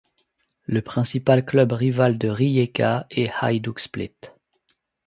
Le principal club rival de Rijeka est Hajduk Split.